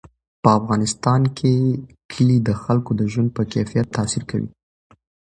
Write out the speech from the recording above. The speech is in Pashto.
په افغانستان کې کلي د خلکو د ژوند په کیفیت تاثیر کوي.